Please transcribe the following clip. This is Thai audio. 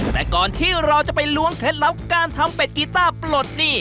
แต่ก่อนที่เราจะไปล้วงเคล็ดลับการทำเป็ดกีต้าปลดหนี้